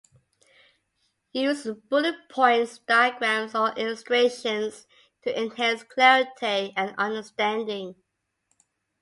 Use bullet points, diagrams, or illustrations to enhance clarity and understanding.